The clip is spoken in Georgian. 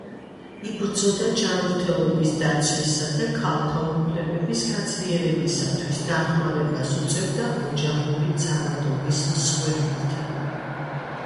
იბრძოდა ჯანმრთელობის დაცვისა და ქალთა უფლებების გაძლიერებისათვის, დახმარებას უწევდა ოჯახური ძალადობის მსხვერპლთ.